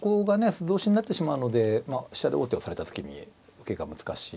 素通しになってしまうので飛車で王手をされた時に受けが難しい。